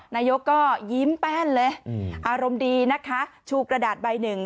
นายกก็ยิ้มแป้นเลยอารมณ์ดีนะคะชูกระดาษใบหนึ่ง